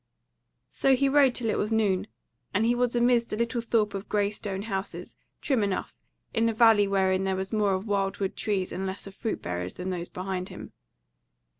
So he rode till it was noon, and he was amidst a little thorp of grey stone houses, trim enough, in a valley wherein there was more of wild wood trees and less of fruit bearers than those behind him.